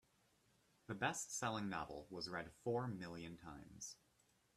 The bestselling novel was read four million times.